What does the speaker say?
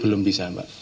belum bisa pak